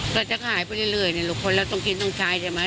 ก็จะขายไปเรื่อยเนี่ยลูกคนแล้วต้องกินต้องใช้ใช่มั้ย